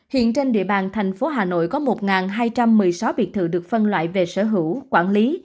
hiện trên địa bàn thành phố hà nội có một hai trăm một mươi sáu biệt thự được phân loại về sở hữu quản lý